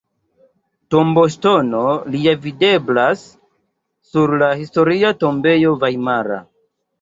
Tomboŝtono lia videblas sur la Historia tombejo vajmara.